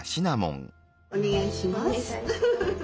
お願いします。